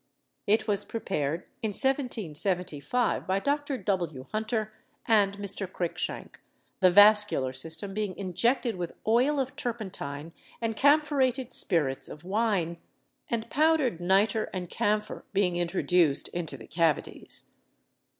It was prepared in 1775 by Dr. W. Hunter and Mr. Cruikshank, the vascular system being injected with oil of turpentine and camphorated spirits of wine, and powdered nitre and camphor being introduced into the cavities.